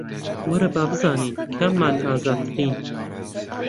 وەرە با بزانین کاممان ئازاترین